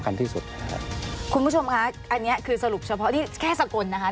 อันเนี้ยคือสรุปเฉพาะที่แค่สกลนะครับ